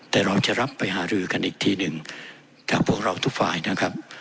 แต่เราจะรับไปหารือกันอีกทีหนึ่งจากพวกเราทุกฝ่ายนะครับ